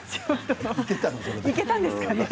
いけたんですかね。